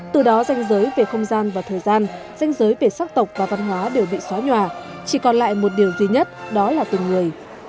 từ đó danh giới về không gian và thời gian danh giới về sắc tộc và văn hóa đều bị xóa nhòa chỉ còn lại một điều duy nhất đó là từng người